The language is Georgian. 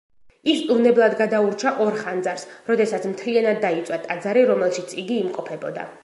ის უვნებლად გადაურჩა ორ ხანძარს, როდესაც მთლიანად დაიწვა ტაძარი, რომელშიც იგი იმყოფებოდა.